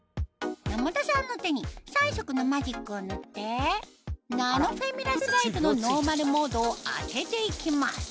山田さんの手に３色のマジックを塗ってナノフェミラスライトのノーマルモードを当てていきます